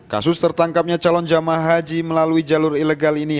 kasus tertangkapnya calon jemaah haji melalui jalur ilegal ini